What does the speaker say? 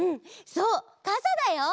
そうかさだよ！